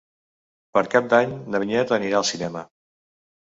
Per Cap d'Any na Vinyet anirà al cinema.